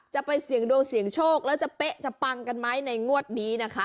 จะไปเสี่ยงดวงเสี่ยงโชคแล้วจะเป๊ะจะปังกันไหมในงวดนี้นะคะ